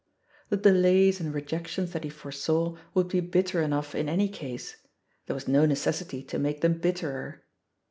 The delays end rejections that he foresaw would be bittejf enough in any case — ^there was no necessity to make them bitterer.